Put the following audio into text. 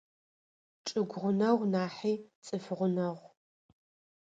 Чӏыгу гъунэгъу нахьи цӏыф гъунэгъу.